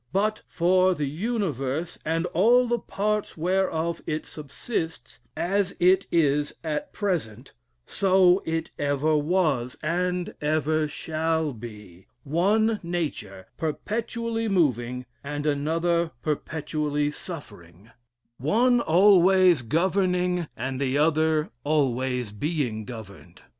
But for the universe, and all the parts whereof it subsists, as it is at present, so it ever was, and ever shall be; one nature perpetually moving, and another perpetually suffering, one always governing, and the other always being governed.